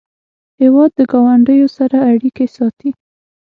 هېواد د ګاونډیو سره اړیکې ساتي.